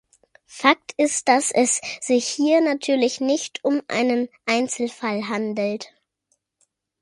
Fakt ist, dass es sich hier natürlich nicht um einen Einzelfall handelt.